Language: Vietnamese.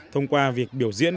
thông qua việc biểu diễn